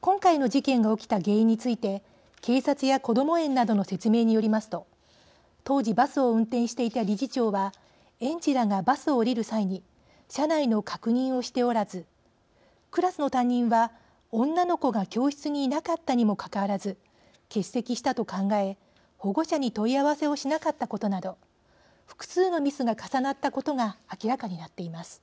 今回の事件が起きた原因について警察や、こども園などの説明によりますと当時バスを運転していた理事長は園児らがバスを降りる際に車内の確認をしておらずクラスの担任は女の子が教室にいなかったにもかかわらず欠席したと考え保護者に問い合わせをしなかったことなど複数のミスが重なったことが明らかになっています。